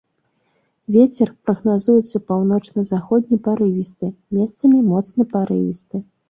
Вецер прагназуецца паўночна-заходні парывісты, месцамі моцны парывісты.